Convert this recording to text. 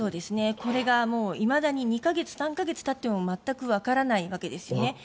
これがいまだに２か月、３か月たっても全くわからないわけですよね。